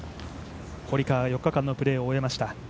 堀川は４日間のプレーを終えました